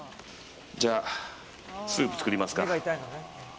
じゃあ、スープ作りますか。